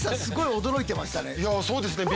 すごい驚いてましたね。